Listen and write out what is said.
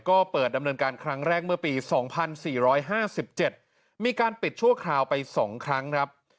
ก็เปิดดำเนินการครั้งแรกเมื่อปีสองพันสี่ร้อยห้าสิบเจ็ดมีการปิดชั่วคราวไปสองครั้งครับ